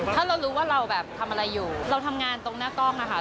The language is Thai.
ถ้าเรารู้ว่าเราแบบทำอะไรอยู่เราทำงานตรงหน้ากล้องอะค่ะ